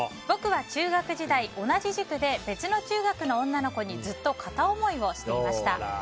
僕は中学時代同じ塾で、別の中学の女の子にずっと片思いをしていました。